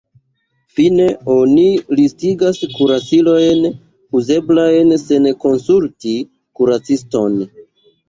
Fine, oni listigas kuracilojn uzeblajn sen konsulti kuraciston.